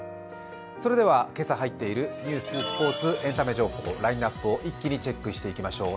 それでは、今朝入っているニューススポーツ、エンタメ情報、ラインナップを一気にチェックしていきましょう。